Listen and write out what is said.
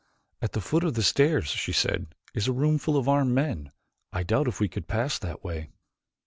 "At the foot of the stairs," she said, "is a room full of armed men. I doubt if we could pass that way."